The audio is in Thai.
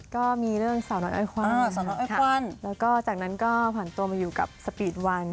ก็มีเรื่องสาวน้อยอ้อยควันสาวน้อยอ้อยควันแล้วก็จากนั้นก็ผ่านตัวมาอยู่กับสปีดวัน